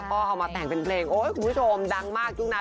ก็เอามาแต่งเป็นเพลงโอ๊ยคุณผู้ชมดังมากยุคนั้น